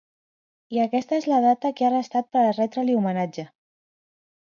I aquesta és la data que ha restat per a retre-li homenatge.